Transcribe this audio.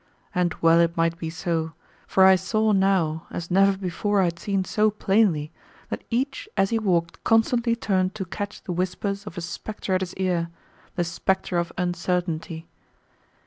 And well it might be so, for I saw now, as never before I had seen so plainly, that each as he walked constantly turned to catch the whispers of a spectre at his ear, the spectre of Uncertainty.